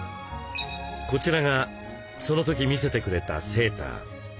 こちらがその時見せてくれたセーター。